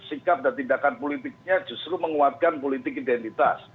sikap dan tindakan politiknya justru menguatkan politik identitas